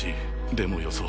でもよそう。